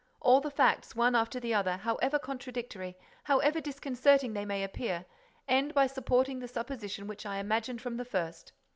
All the facts, one after the other, however contradictory, however disconcerting they may appear, end by supporting the supposition which I imagined from the first."